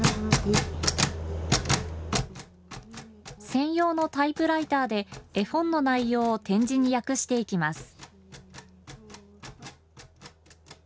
専用のタイプライターで絵本の内容を点字に訳していきます。